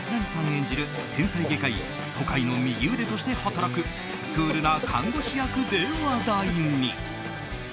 演じる天才外科医、渡海の右腕として働くクールな看護師役で話題に。